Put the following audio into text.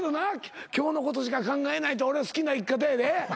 今日のことしか考えないって俺好きな生き方やで。